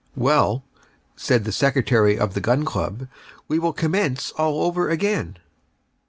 "Well," said the Secretary of the Gun Club, "we will commence all over again."